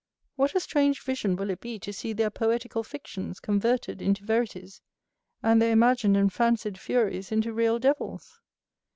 What a strange vision will it be to see their poetical fictions converted into verities, and their imagined and fancied furies into real devils!